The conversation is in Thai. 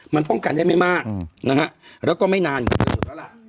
มันป้องกันได้ไม่มากนะฮะแล้วก็ไม่นานกว่าแล้วล่ะ